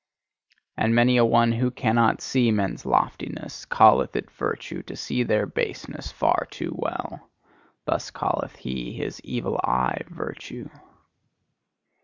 And many a one who cannot see men's loftiness, calleth it virtue to see their baseness far too well: thus calleth he his evil eye virtue.